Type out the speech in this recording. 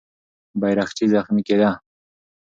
بیرغچی زخمي کېده.